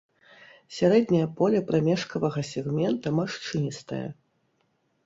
Сярэдняе поле прамежкавага сегмента маршчыністае.